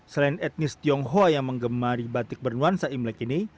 selain etnis tionghoa yang mengemari batik bernuansa imlek ini